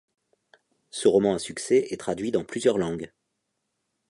Ce roman à succès est traduit dans plusieurs langues.